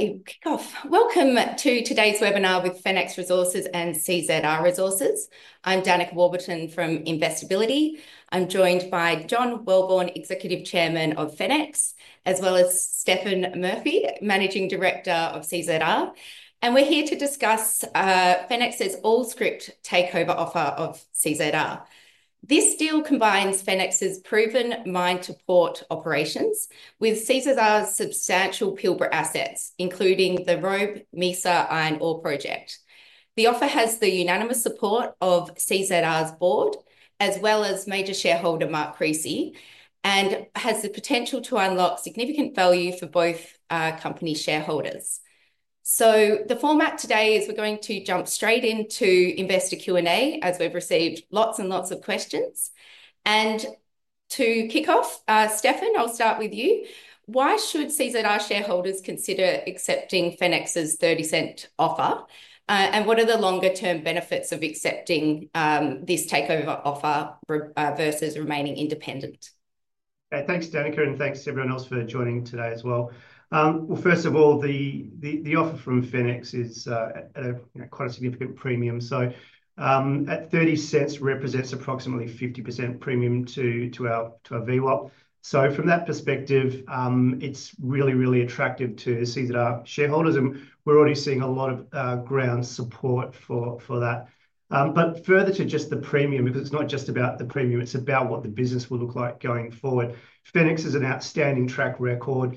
Hey, kick off. Welcome to today's webinar with Fenix Resources and CZR Resources. I'm Dannika Warburton from Investability. I'm joined by John Welborn, Executive Chairman of Fenix, as well as Stefan Murphy, Managing Director of CZR. We're here to discuss Fenix's all-scrip takeover offer of CZR. This deal combines Fenix's proven mine-to-port operations with CZR's substantial Pilbara assets, including the Robe Mesa Iron Ore Project. The offer has the unanimous support of CZR's board, as well as major shareholder Mark Creasy, and has the potential to unlock significant value for both company shareholders. The format today is we're going to jump straight into investor Q&A as we've received lots and lots of questions. To kick off, Stefan, I'll start with you. Why should CZR shareholders consider accepting Fenix's 0.30 offer? What are the longer-term benefits of accepting this takeover offer versus remaining independent? Thanks, Dannika, and thanks to everyone else for joining today as well. First of all, the offer from Fenix is at quite a significant premium. At 0.30, it represents approximately a 50% premium to our VWAP. From that perspective, it is really, really attractive to CZR shareholders. We are already seeing a lot of ground support for that. Further to just the premium, because it is not just about the premium, it is about what the business will look like going forward. Fenix has an outstanding track record,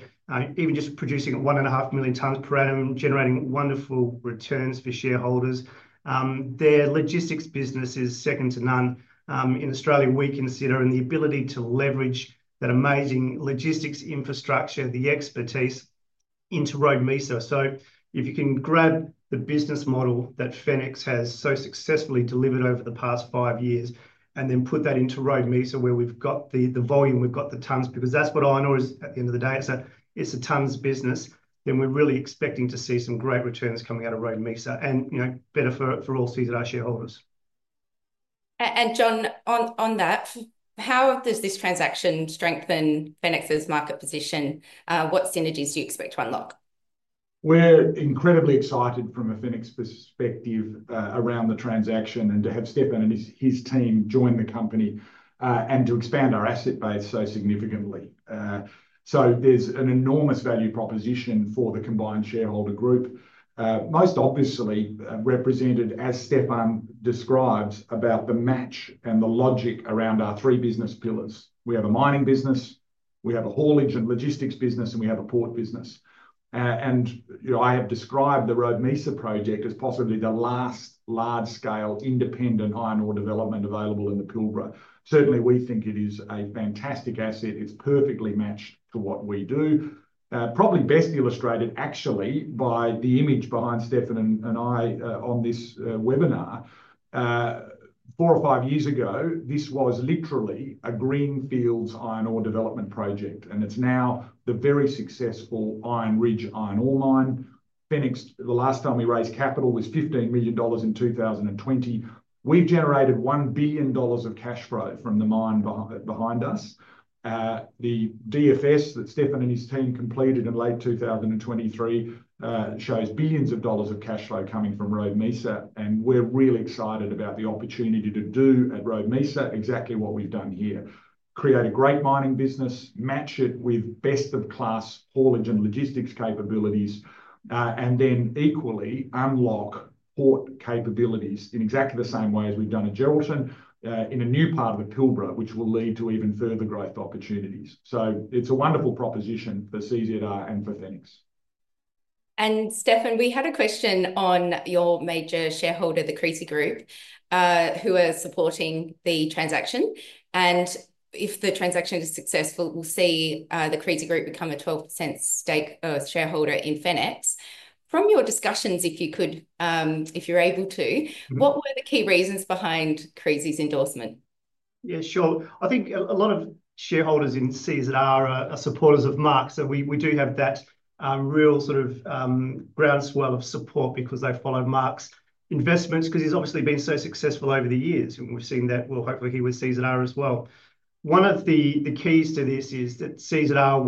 even just producing 1.5 million tonnes per annum (Mtpa), generating wonderful returns for shareholders. Their logistics business is second to none. In Australia, we consider the ability to leverage that amazing logistics infrastructure, the expertise, into Robe Mesa. If you can grab the business model that Fenix has so successfully delivered over the past five years, and then put that into Robe Mesa, where we've got the volume, we've got the tonnes, because that's what I know is at the end of the day, it's a tonnes business, then we're really expecting to see some great returns coming out of Robe Mesa and better for all CZR shareholders. John, on that, how does this transaction strengthen Fenix's market position? What synergies do you expect to unlock? We're incredibly excited from a Fenix perspective around the transaction and to have Stefan and his team join the company and to expand our asset base so significantly. There is an enormous value proposition for the combined shareholder group, most obviously represented, as Stefan describes, about the match and the logic around our three business pillars. We have a mining business, we have a haulage and logistics business, and we have a port business. I have described the Robe Mesa project as possibly the last large-scale independent iron ore development available in the Pilbara. Certainly, we think it is a fantastic asset. It's perfectly matched to what we do. Probably best illustrated, actually, by the image behind Stefan and I on this webinar. Four or five years ago, this was literally a greenfields iron ore development project. It's now the very successful Iron Ridge Iron Ore Mine. Fenix, the last time we raised capital was 15 million dollars in 2020. We've generated 1 billion dollars of cash flow from the mine behind us. The DFS that Stefan and his team completed in late 2023 shows billions of dollars of cash flow coming from Robe Mesa. We're really excited about the opportunity to do at Robe Mesa exactly what we've done here. Create a great mining business, match it with best of class haulage and logistics capabilities, and then equally unlock port capabilities in exactly the same way as we've done at Geraldton in a new part of the Pilbara, which will lead to even further growth opportunities. It is a wonderful proposition for CZR and for Fenix. Stefan, we had a question on your major shareholder, the Creasy Group, who are supporting the transaction. If the transaction is successful, we will see the Creasy Group become a 12% stake shareholder in Fenix. From your discussions, if you could, if you are able to, what were the key reasons behind Creasy's endorsement? Yeah, sure. I think a lot of shareholders in CZR are supporters of Mark's. So we do have that real sort of groundswell of support because they followed Mark's investments because he's obviously been so successful over the years. And we've seen that, well, hopefully he with CZR as well. One of the keys to this is that CZR,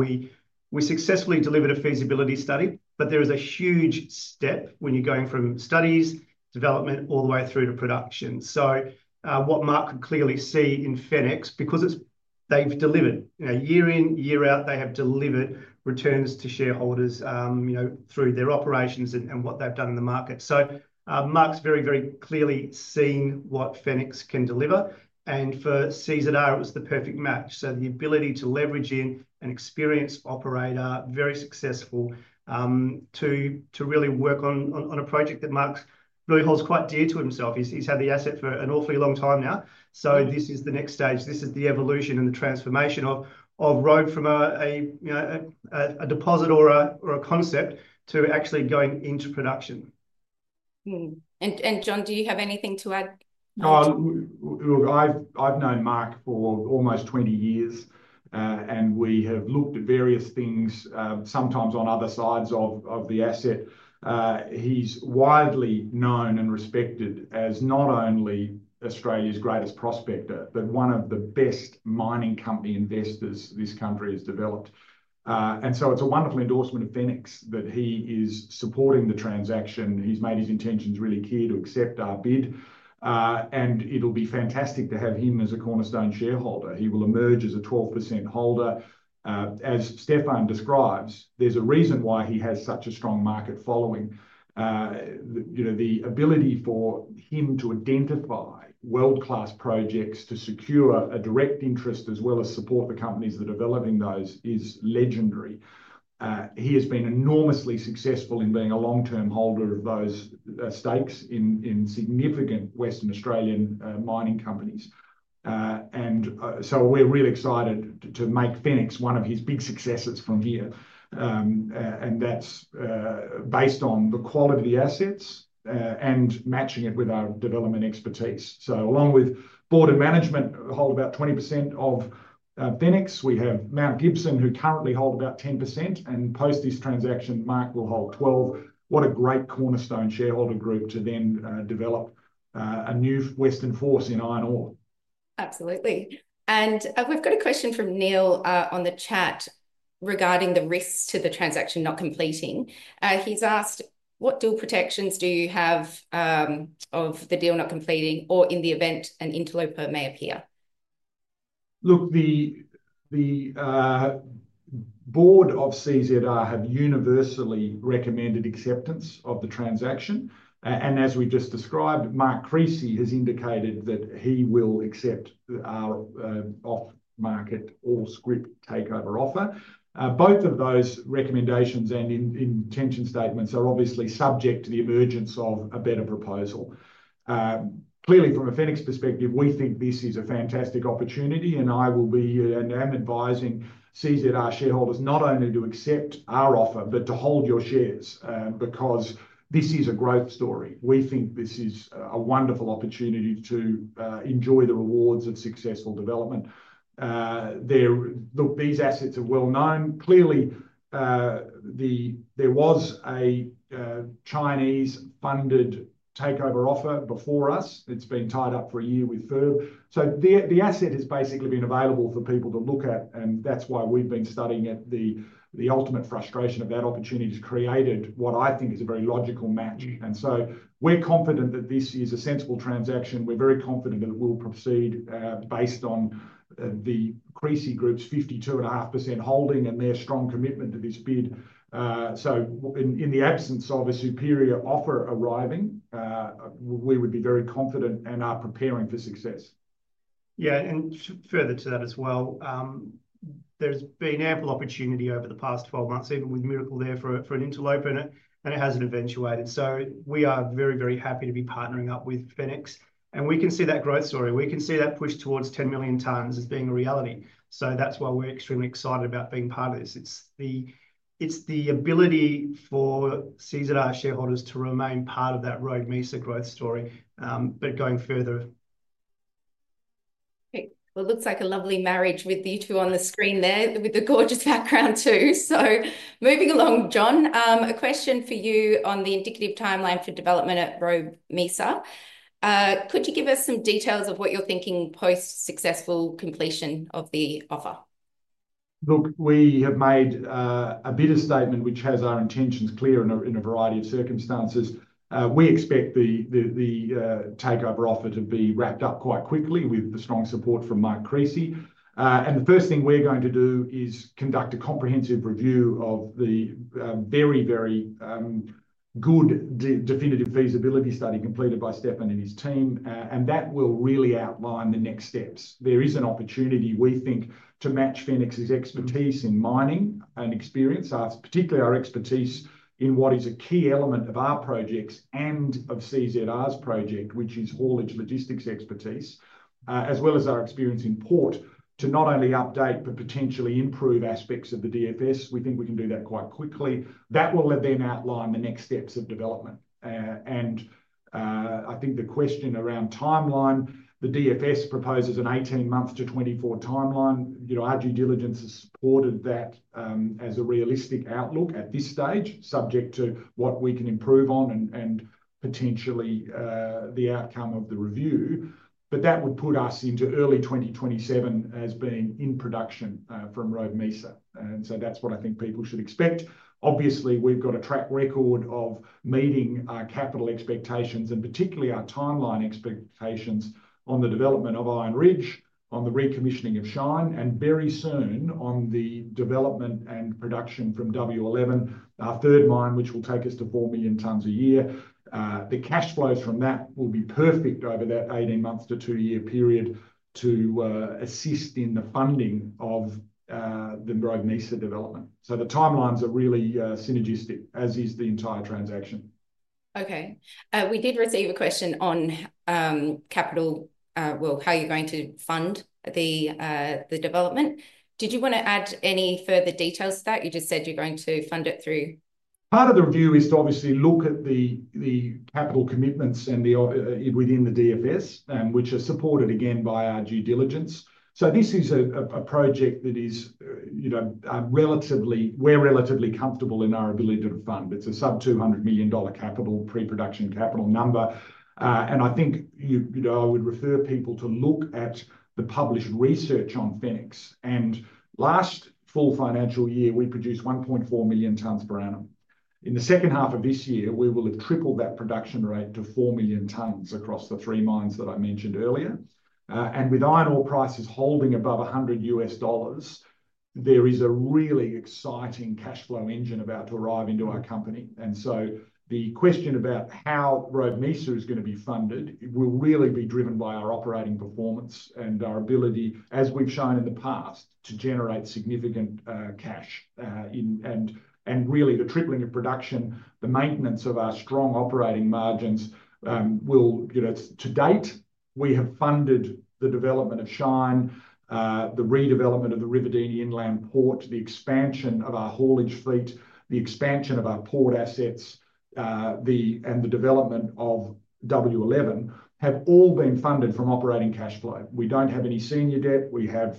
we successfully delivered a feasibility study, but there is a huge step when you're going from studies development all the way through to production. What Mark could clearly see in Fenix, because they've delivered year in, year out, they have delivered returns to shareholders through their operations and what they've done in the market. Mark's very, very clearly seen what Fenix can deliver. For CZR, it was the perfect match. The ability to leverage in an experienced operator, very successful, to really work on a project that Mark really holds quite dear to himself. He's had the asset for an awfully long time now. This is the next stage. This is the evolution and the transformation of Robe from a deposit or a concept to actually going into production. John, do you have anything to add? I've known Mark for almost 20 years, and we have looked at various things, sometimes on other sides of the asset. He is widely known and respected as not only Australia's greatest prospector, but one of the best mining company investors this country has developed. It is a wonderful endorsement of Fenix that he is supporting the transaction. He has made his intentions really clear to accept our bid. It will be fantastic to have him as a cornerstone shareholder. He will emerge as a 12% holder. As Stefan describes, there is a reason why he has such a strong market following. The ability for him to identify world-class projects, to secure a direct interest as well as support the companies that are developing those, is legendary. He has been enormously successful in being a long-term holder of those stakes in significant Western Australian mining companies. We're really excited to make Fenix one of his big successes from here. That's based on the quality of the assets and matching it with our development expertise. Along with board and management, hold about 20% of Fenix. We have Mount Gibson, who currently hold about 10%. Post this transaction, Mark will hold 12%. What a great cornerstone shareholder group to then develop a new Western force in iron ore. Absolutely. We have a question from Neil on the chat regarding the risks to the transaction not completing. He has asked, what deal protections do you have if the deal does not complete or in the event an interloper may appear? Look, the board of CZR have universally recommended acceptance of the transaction. As we just described, Mark Creasy has indicated that he will accept our off-market all-scrip takeover offer. Both of those recommendations and intention statements are obviously subject to the emergence of a better proposal. Clearly, from a Fenix perspective, we think this is a fantastic opportunity. I will be and am advising CZR shareholders not only to accept our offer, but to hold your shares because this is a growth story. We think this is a wonderful opportunity to enjoy the rewards of successful development. These assets are well known. Clearly, there was a Chinese-funded takeover offer before us. It's been tied up for a year with FIRB. The asset has basically been available for people to look at. That is why we've been studying it. The ultimate frustration of that opportunity has created what I think is a very logical match. We are confident that this is a sensible transaction. We are very confident that it will proceed based on the Creasy Group's 52.5% holding and their strong commitment to this bid. In the absence of a superior offer arriving, we would be very confident and are preparing for success. Yeah, and further to that as well, there has been ample opportunity over the past 12 months, even with Miracle there for an interloper, and it has not eventuated. We are very, very happy to be partnering up with Fenix. We can see that growth story. We can see that push towards 10 million tonnes as being a reality. That is why we are extremely excited about being part of this. It is the ability for CZR shareholders to remain part of that Robe Mesa growth story, but going further. It looks like a lovely marriage with you two on the screen there with the gorgeous background too. Moving along, John, a question for you on the indicative timeline for development at Robe Mesa. Could you give us some details of what you're thinking post-successful completion of the offer? Look, we have made a Bidder’s Statement, which has our intentions clear in a variety of circumstances. We expect the takeover offer to be wrapped up quite quickly with the strong support from Mark Creasy. The first thing we're going to do is conduct a comprehensive review of the very, very good Definitive Feasibility Study completed by Stefan and his team. That will really outline the next steps. There is an opportunity, we think, to match Fenix's expertise in mining and experience, particularly our expertise in what is a key element of our projects and of CZR's project, which is haulage logistics expertise, as well as our experience in port to not only update, but potentially improve aspects of the DFS. We think we can do that quite quickly. That will then outline the next steps of development. I think the question around timeline, the DFS proposes an 18-month to 24-month timeline. Our due diligence has supported that as a realistic outlook at this stage, subject to what we can improve on and potentially the outcome of the review. That would put us into early 2027 as being in production from Robe Mesa. That is what I think people should expect. Obviously, we have a track record of meeting our capital expectations and particularly our timeline expectations on the development of Iron Ridge, on the recommissioning of Shine, and very soon on the development and production from W11, our third mine, which will take us to 4 Mtpa. The cash flows from that will be perfect over that 18-month to two-year period to assist in the funding of the Robe Mesa development. The timelines are really synergistic, as is the entire transaction. Okay. We did receive a question on capital, well, how you're going to fund the development. Did you want to add any further details to that? You just said you're going to fund it through. Part of the review is to obviously look at the capital commitments within the DFS, which are supported again by our due diligence. This is a project that is relatively, we are relatively comfortable in our ability to fund. It is a sub-200 million capital, pre-production capital number. I think I would refer people to look at the published research on Fenix. Last full financial year, we produced 1.4 Mtpa. In the second half of this year, we will have tripled that production rate to 4 million tonnes across the three mines that I mentioned earlier. With iron ore prices holding above $100, there is a really exciting cash flow engine about to arrive into our company. The question about how Robe Mesa is going to be funded will really be driven by our operating performance and our ability, as we've shown in the past, to generate significant cash. Really, the tripling of production, the maintenance of our strong operating margins will to date, we have funded the development of Shine, the redevelopment of the Riverdene Inland Port, the expansion of our haulage fleet, the expansion of our port assets, and the development of W11 have all been funded from operating cash flow. We do not have any senior debt. We have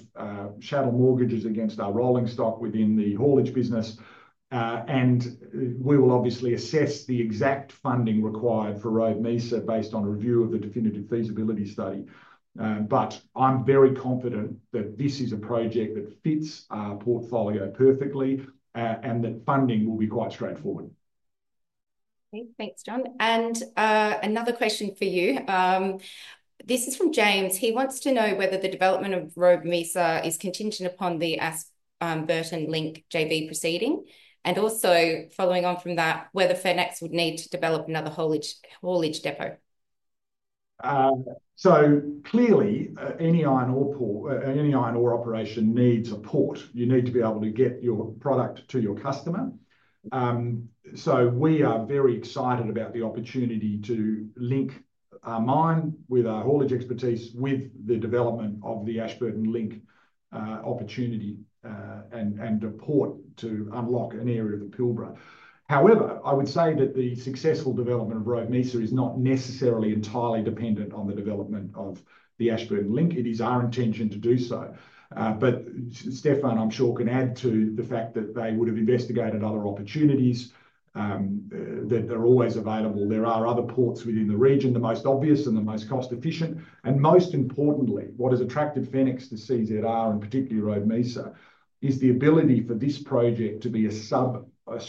shadow mortgages against our rolling stock within the haulage business. We will obviously assess the exact funding required for Robe Mesa based on review of the Definitive Feasibility Study. I am very confident that this is a project that fits our portfolio perfectly and that funding will be quite straightforward. Okay, thanks, John. Another question for you. This is from James. He wants to know whether the development of Robe Mesa is contingent upon the Ashburton Link JV proceeding. Also, following on from that, whether Fenix would need to develop another haulage depot. Clearly, any iron ore operation needs a port. You need to be able to get your product to your customer. We are very excited about the opportunity to link our mine with our haulage expertise with the development of the Ashburton Link opportunity and the port to unlock an area of the Pilbara. However, I would say that the successful development of Robe Mesa is not necessarily entirely dependent on the development of the Ashburton Link. It is our intention to do so. Stefan, I'm sure, can add to the fact that they would have investigated other opportunities that are always available. There are other ports within the region, the most obvious and the most cost-efficient. Most importantly, what has attracted Fenix to CZR, and particularly Robe Mesa, is the ability for this project to be a sub-AUD 50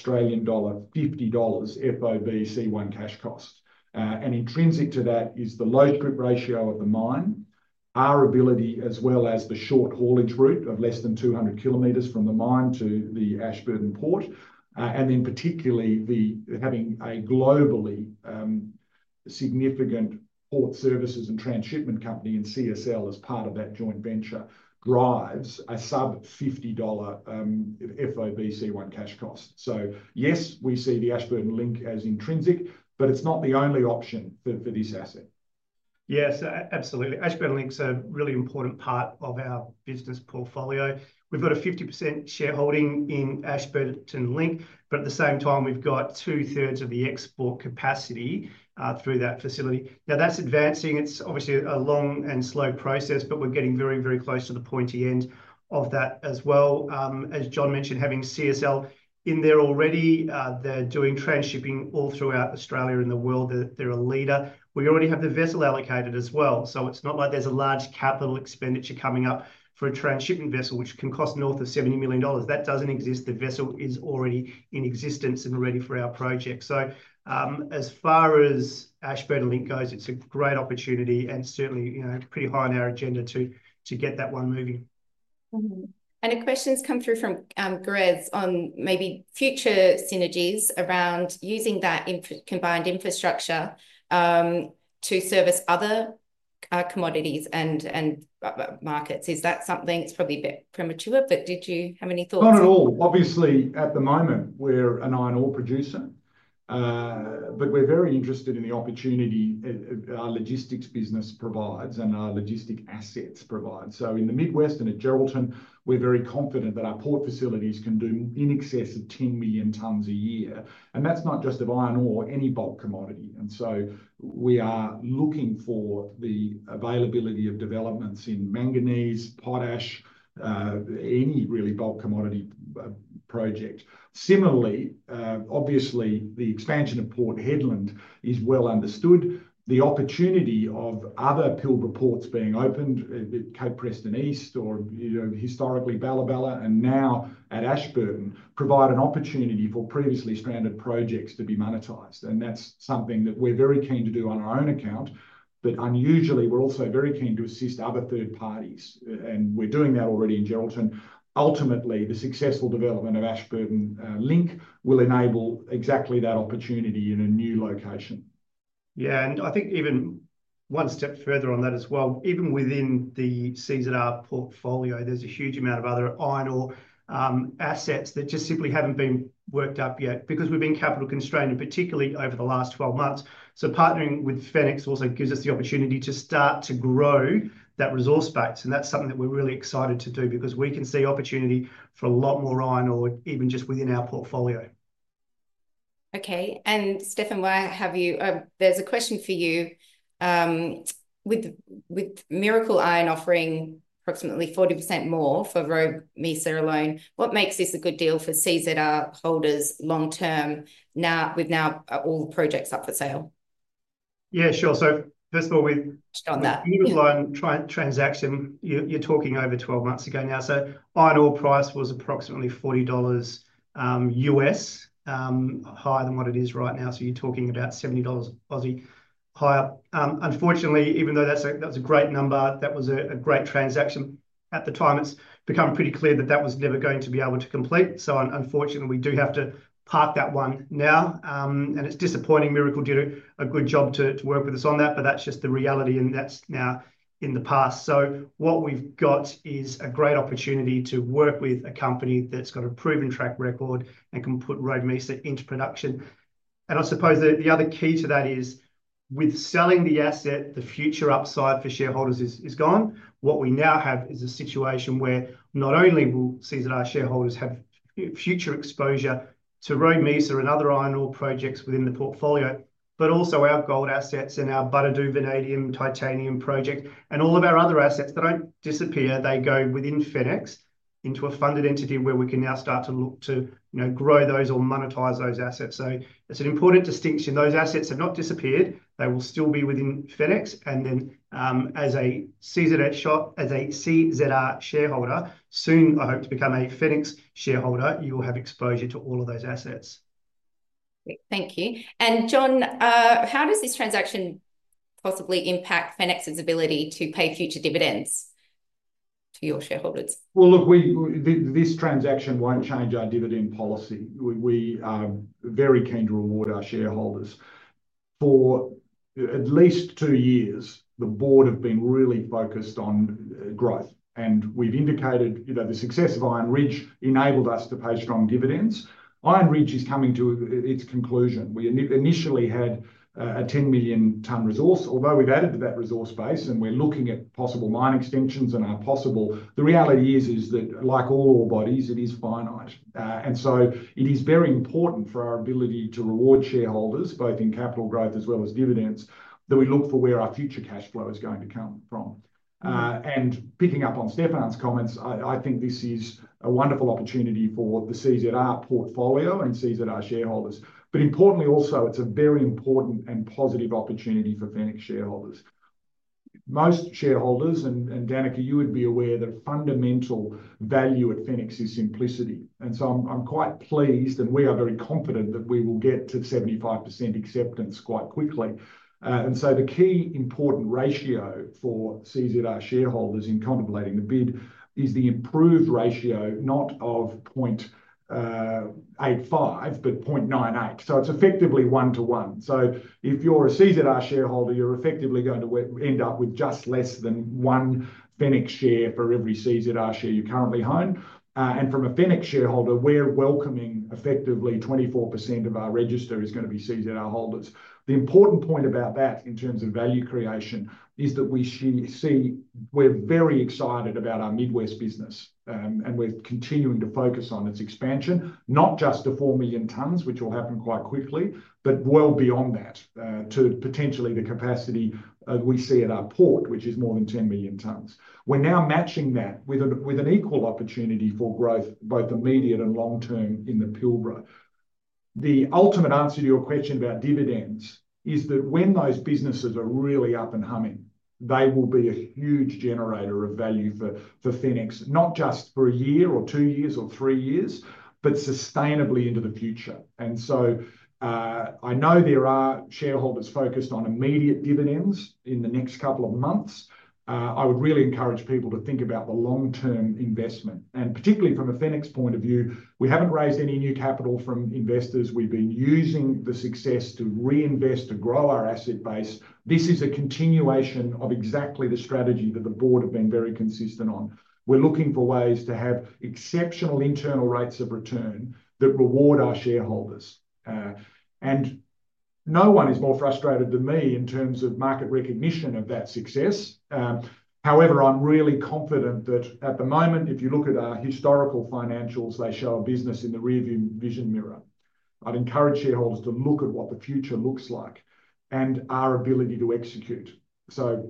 FOB C1 cash cost. Intrinsic to that is the low strip ratio of the mine, our ability, as well as the short haulage route of less than 200 km from the mine to the Ashburton port. Particularly having a globally significant port services and transshipment company in CSL as part of that joint venture drives a sub-AUD 50 FOB C1 cash cost. Yes, we see the Ashburton Link as intrinsic, but it is not the only option for this asset. Yes, absolutely. Ashburton Link's a really important part of our business portfolio. We've got a 50% shareholding in Ashburton Link, but at the same time, we've got 2/3 of the export capacity through that facility. Now, that's advancing. It's obviously a long and slow process, but we're getting very, very close to the pointy end of that as well. As John mentioned, having CSL in there already, they're doing transshipping all throughout Australia and the world. They're a leader. We already have the vessel allocated as well. It's not like there's a large capital expenditure coming up for a transshipping vessel, which can cost north of 70 million dollars. That doesn't exist. The vessel is already in existence and ready for our project. As far as Ashburton Link goes, it's a great opportunity and certainly pretty high on our agenda to get that one moving. A question's come through from Grez on maybe future synergies around using that combined infrastructure to service other commodities and markets. Is that something? It's probably a bit premature, but did you have any thoughts? Not at all. Obviously, at the moment, we're an iron ore producer, but we're very interested in the opportunity our logistics business provides and our logistic assets provide. In the Mid-West and at Geraldton, we're very confident that our port facilities can do in excess of 10 Mtpa. That's not just of iron ore, any bulk commodity. We are looking for the availability of developments in manganese, potash, any really bulk commodity project. Similarly, the expansion of Port Hedland is well understood. The opportunity of other Pilbara ports being opened at Cape Preston East or historically Balla Balla and now at Ashburton provide an opportunity for previously stranded projects to be monetized. That's something that we're very keen to do on our own account. Unusually, we're also very keen to assist other third parties. We're doing that already in Geraldton. Ultimately, the successful development of Ashburton Link will enable exactly that opportunity in a new location. Yeah, and I think even one step further on that as well. Even within the CZR portfolio, there's a huge amount of other iron ore assets that just simply haven't been worked up yet because we've been capital constrained, particularly over the last 12 months. Partnering with Fenix also gives us the opportunity to start to grow that resource base. That's something that we're really excited to do because we can see opportunity for a lot more iron ore even just within our portfolio. Okay. Stefan, why have you, there's a question for you. With Miracle Iron offering approximately 40% more for Robe Mesa alone, what makes this a good deal for CZR holders long term with now all the projects up for sale? Yeah, sure. First of all, on that transaction, you're talking over 12 months ago now. Iron ore price was approximately $40 higher than what it is right now. You're talking about 70 Aussie dollars higher. Unfortunately, even though that was a great number, that was a great transaction at the time, it's become pretty clear that that was never going to be able to complete. Unfortunately, we do have to park that one now. It's disappointing. Miracle did a good job to work with us on that, but that's just the reality and that's now in the past. What we've got is a great opportunity to work with a company that's got a proven track record and can put Robe Mesa into production. I suppose the other key to that is with selling the asset, the future upside for shareholders is gone. What we now have is a situation where not only will CZR shareholders have future exposure to Robe Mesa and other iron ore projects within the portfolio, but also our gold assets and our Buddadoo Vanadium Titanium Project and all of our other assets that do not disappear. They go within Fenix into a funded entity where we can now start to look to grow those or monetize those assets. It is an important distinction. Those assets have not disappeared. They will still be within Fenix. As a CZR shareholder, soon I hope to become a Fenix shareholder, you will have exposure to all of those assets. Thank you. John, how does this transaction possibly impact Fenix's ability to pay future dividends to your shareholders? Look, this transaction will not change our dividend policy. We are very keen to reward our shareholders. For at least two years, the board have been really focused on growth. We have indicated the success of Iron Ridge enabled us to pay strong dividends. Iron Ridge is coming to its conclusion. We initially had a 10 million ton resource, although we have added to that resource base and we are looking at possible mine extensions and our possible the reality is that like all ore bodies, it is finite. It is very important for our ability to reward shareholders, both in capital growth as well as dividends, that we look for where our future cash flow is going to come from. Picking up on Stefan's comments, I think this is a wonderful opportunity for the CZR portfolio and CZR shareholders. Importantly also, it's a very important and positive opportunity for Fenix shareholders. Most shareholders, and Dannika, you would be aware that fundamental value at Fenix is simplicity. I am quite pleased and we are very confident that we will get to 75% acceptance quite quickly. The key important ratio for CZR shareholders in contemplating the bid is the improved ratio, not of 0.85, but 0.98. It's effectively one to one. If you're a CZR shareholder, you're effectively going to end up with just less than one Fenix share for every CZR share you currently own. From a Fenix shareholder, we're welcoming effectively 24% of our register is going to be CZR holders. The important point about that in terms of value creation is that we see we're very excited about our Mid-West business and we're continuing to focus on its expansion, not just to 4 million tonnes, which will happen quite quickly, but well beyond that to potentially the capacity we see at our port, which is more than 10 million tonnes. We're now matching that with an equal opportunity for growth, both immediate and long term in the Pilbara. The ultimate answer to your question about dividends is that when those businesses are really up and humming, they will be a huge generator of value for Fenix, not just for a year or two years or three years, but sustainably into the future. I know there are shareholders focused on immediate dividends in the next couple of months. I would really encourage people to think about the long-term investment. Particularly from a Fenix's point of view, we haven't raised any new capital from investors. We've been using the success to reinvest to grow our asset base. This is a continuation of exactly the strategy that the board have been very consistent on. We're looking for ways to have exceptional internal rates of return that reward our shareholders. No one is more frustrated than me in terms of market recognition of that success. However, I'm really confident that at the moment, if you look at our historical financials, they show a business in the rearview vision mirror. I'd encourage shareholders to look at what the future looks like and our ability to execute. 4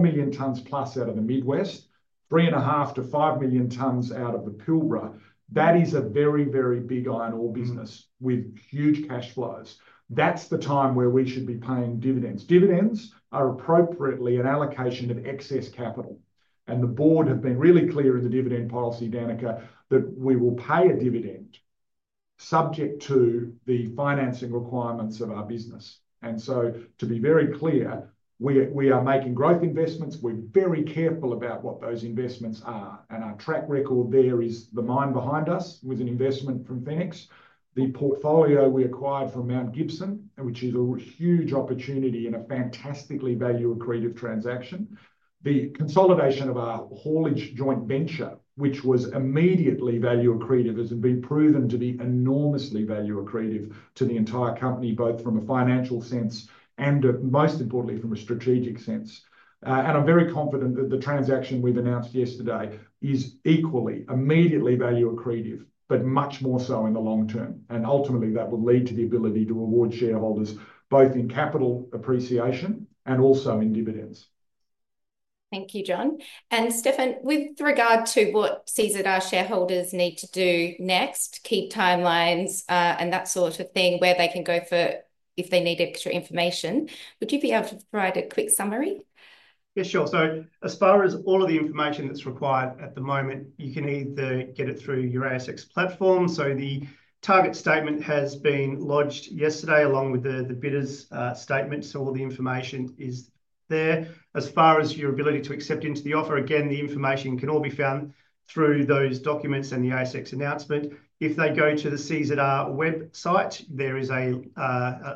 million tonnes plus out of the Mid-West, 3.5 million-5 million tonnes out of the Pilbara, that is a very, very big iron ore business with huge cash flows. That's the time where we should be paying dividends. Dividends are appropriately an allocation of excess capital. The board have been really clear in the dividend policy, Dannika, that we will pay a dividend subject to the financing requirements of our business. To be very clear, we are making growth investments. We're very careful about what those investments are. Our track record there is the mine behind us with an investment from Fenix, the portfolio we acquired from Mount Gibson, which is a huge opportunity and a fantastically value accretive transaction, the consolidation of our haulage joint venture, which was immediately value accretive, has been proven to be enormously value accretive to the entire company, both from a financial sense and most importantly from a strategic sense. I am very confident that the transaction we announced yesterday is equally immediately value accretive, but much more so in the long term. Ultimately, that will lead to the ability to reward shareholders both in capital appreciation and also in dividends. Thank you, John. Stefan, with regard to what CZR shareholders need to do next, keep timelines and that sort of thing where they can go for if they need extra information, would you be able to provide a quick summary? Yeah, sure. As far as all of the information that's required at the moment, you can either get it through your ASX platform. The Target's Statement has been lodged yesterday along with the Bidder’s Statement. All the information is there. As far as your ability to accept into the offer, again, the information can all be found through those documents and the ASX announcement. If they go to the CZR website, there is a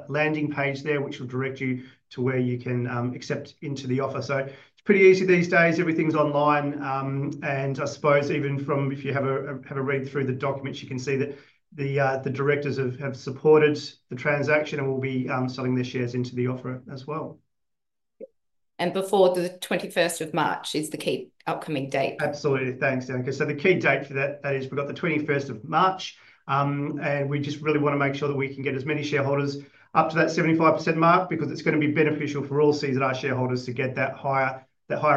landing page there which will direct you to where you can accept into the offer. It's pretty easy these days. Everything's online. I suppose even if you have a read through the documents, you can see that the directors have supported the transaction and will be selling their shares into the offer as well. Before the 21st of March is the key upcoming date. Absolutely. Thanks, Danikka. The key date for that is we have the 21st of March. We just really want to make sure that we can get as many shareholders up to that 75% mark because it is going to be beneficial for all CZR shareholders to get that higher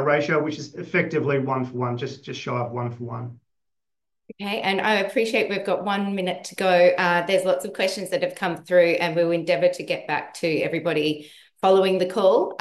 ratio, which is effectively one for one, just shy of one for one. Okay. I appreciate we've got one minute to go. There's lots of questions that have come through and we'll endeavor to get back to everybody following the call.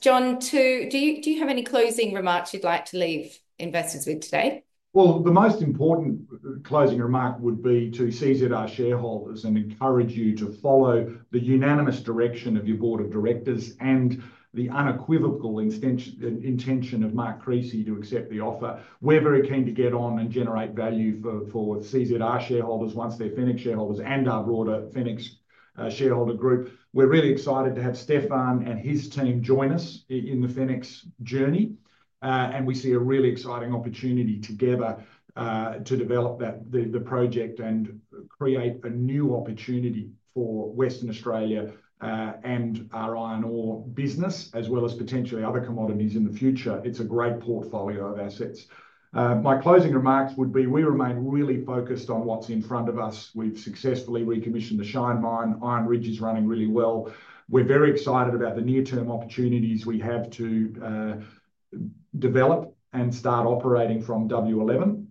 John, do you have any closing remarks you'd like to leave investors with today? The most important closing remark would be to CZR shareholders and encourage you to follow the unanimous direction of your board of directors and the unequivocal intention of Mark Creasy to accept the offer. We're very keen to get on and generate value for CZR shareholders once they're Fenix shareholders and our broader Fenix shareholder group. We're really excited to have Stefan and his team join us in the Fenix journey. We see a really exciting opportunity together to develop the project and create a new opportunity for Western Australia and our iron ore business, as well as potentially other commodities in the future. It's a great portfolio of assets. My closing remarks would be we remain really focused on what's in front of us. We've successfully recommissioned the Shine Mine. Iron Ridge is running really well. We're very excited about the near-term opportunities we have to develop and start operating from W11.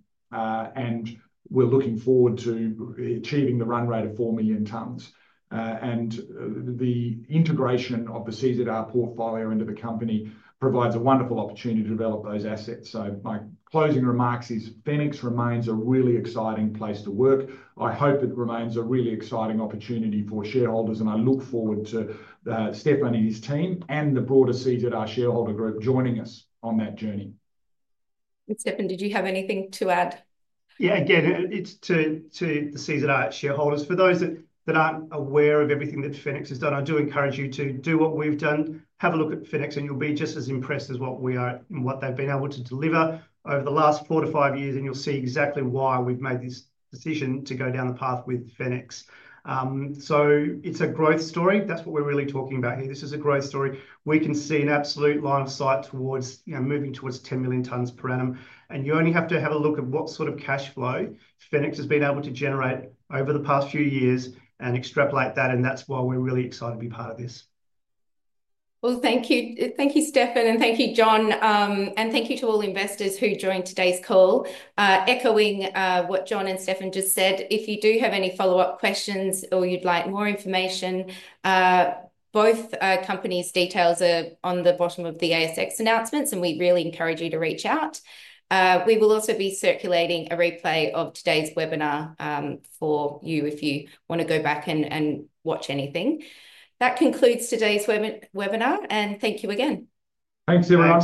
We're looking forward to achieving the run rate of 4 million tonnes. The integration of the CZR portfolio into the company provides a wonderful opportunity to develop those assets. My closing remarks is Fenix remains a really exciting place to work. I hope it remains a really exciting opportunity for shareholders. I look forward to Stefan and his team and the broader CZR shareholder group joining us on that journey. Stefan, did you have anything to add? Yeah, again, it's to the CZR shareholders. For those that aren't aware of everything that Fenix has done, I do encourage you to do what we've done. Have a look at Fenix and you'll be just as impressed as what we are and what they've been able to deliver over the last four to five years. You will see exactly why we've made this decision to go down the path with Fenix. It is a growth story. That's what we're really talking about here. This is a growth story. We can see an absolute line of sight towards moving towards 10 Mtpa. You only have to have a look at what sort of cash flow Fenix has been able to generate over the past few years and extrapolate that. That's why we're really excited to be part of this. Thank you, Stefan, and thank you, John. Thank you to all investors who joined today's call. Echoing what John and Stefan just said, if you do have any follow-up questions or you'd like more information, both companies' details are on the bottom of the ASX announcements, and we really encourage you to reach out. We will also be circulating a replay of today's webinar for you if you want to go back and watch anything. That concludes today's webinar. Thank you again. Thanks everyone.